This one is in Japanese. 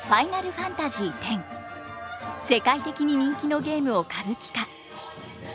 世界的に人気のゲームを歌舞伎化。